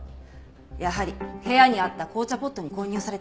やはり部屋にあった紅茶ポットに混入されていました。